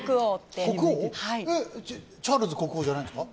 チャールズ国王じゃないんですか？